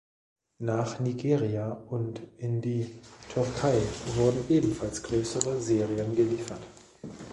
Nach Nigeria und in die Türkei wurden ebenfalls größere Serien geliefert.